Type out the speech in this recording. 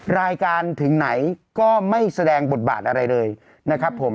รายการถึงไหนก็ไม่แสดงบทบาทอะไรเลยนะครับผม